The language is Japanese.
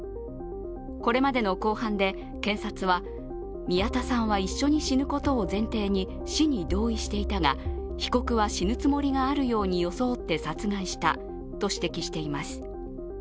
これまでの公判で、検察は宮田さんは一緒に死ぬことを前提に死に同意していたが、被告は死ぬつもりがあるように装って殺害したと指摘しています。